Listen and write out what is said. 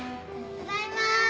ただいま！